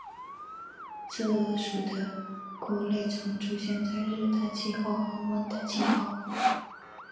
侧耳属的菇类常出现在热带气候和温带气候。